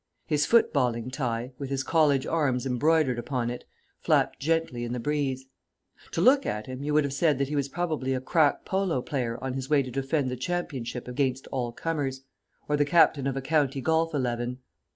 His footballing tie, with his college arms embroidered upon it, flapped gently in the breeze. To look at him you would have said that he was probably a crack polo player on his way to defend the championship against all comers, or the captain of a county golf eleven.